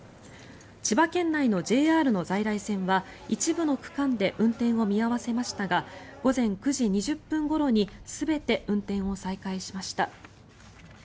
千葉県内のＪＲの在来線は一部の区間で運転を見合わせましたが午前９時２０分ごろに全て運転を再開しました。